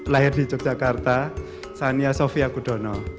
lahir di yogyakarta sania sofia gudono